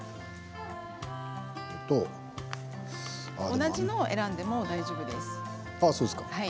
同じものを選んでも大丈夫です。